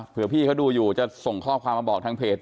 เพื่อพี่เขาดูอยู่จะส่งข้อความมาบอกทางเพจ